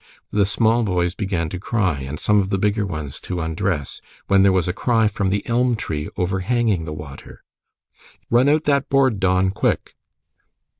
The small boys began to cry, and some of the bigger ones to undress, when there was a cry from the elm tree overhanging the water. "Run out that board, Don. Quick!"